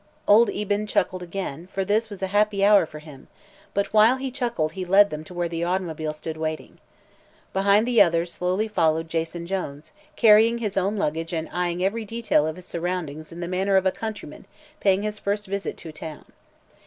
Old Eben chuckled again, for this was a happy hour for him, but while he chuckled he led them to where the automobile stood waiting. Behind the others slowly followed Jason Jones, carrying his own luggage and eyeing every detail of his surroundings in the manner of a countryman paying his first visit to town.